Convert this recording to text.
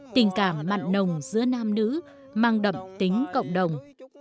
tình cảm mặn nồng giữa nam nữ mang đậm tính cộng đồng